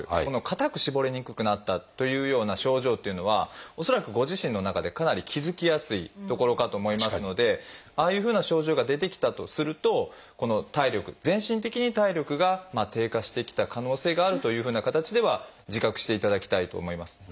固く絞りにくくなったというような症状っていうのは恐らくご自身の中でかなり気付きやすいところかと思いますのでああいうふうな症状が出てきたとすると体力全身的に体力が低下してきた可能性があるというふうな形では自覚していただきたいと思います。